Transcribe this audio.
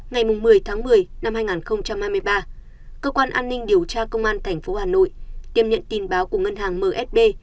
ngày một mươi tháng một mươi năm hai nghìn hai mươi ba cơ quan an ninh điều tra công an tp hà nội tiếp nhận tin báo của ngân hàng msb